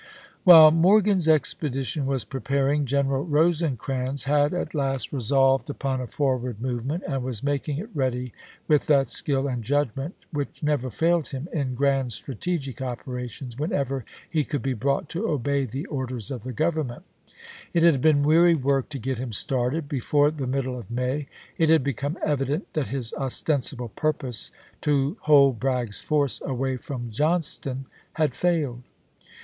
While Morgan's expedition was preparing, Gen THE MAKCH TO CHATTANOOGA 59 eral Rosecrans had at last resolved upon a forward chap. in. movement, and was making it ready with that skill isea. and judgment which never failed him in grand strategic operations, whenever he could be brought to obey the orders of the Grovernment. It had been weary work to get him started. Before the middle of May it had become evident that his ostensible purpose, to hold Bragg's force away from Johnston, had failed.